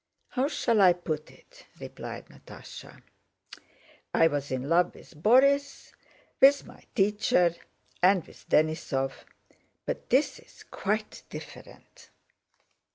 "How shall I put it?" replied Natásha. "I was in love with Borís, with my teacher, and with Denísov, but this is quite different.